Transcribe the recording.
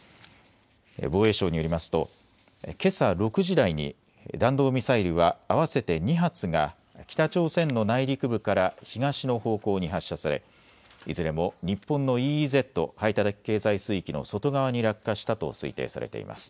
防衛省によりますとけさ６時台に弾道ミサイルは合わせて２発が北朝鮮の内陸部から東の方向に発射されいずれも日本のＥＥＺ・排他的経済水域の外側に落下したと推定されています。